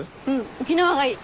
沖縄がいい。